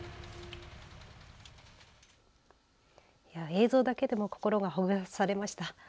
映像だけでも心がほぐされました。